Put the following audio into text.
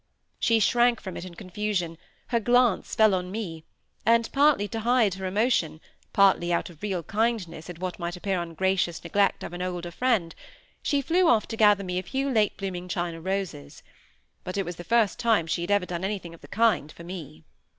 She shrank from it in confusion, her glance fell on me; and, partly to hide her emotion, partly out of real kindness at what might appear ungracious neglect of an older friend, she flew off to gather me a few late blooming China roses. But it was the first time she had ever done anything of the kind for me.